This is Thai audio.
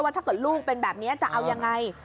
ถ้าเกิดลูกเป็นแบบนี้จะเอายังไง